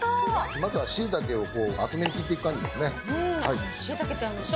まずはシイタケをこう厚めに切っていく感じですね。